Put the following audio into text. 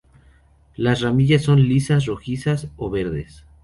Las ramillas son lisas, rojizas o verdes.